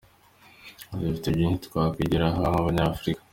Yagize ati "Dufite byinshi twakwigira aha nk’Abanyafurika.